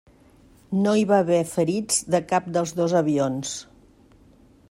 No hi va haver ferits de cap dels dos avions.